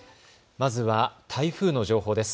まずは台風の情報です。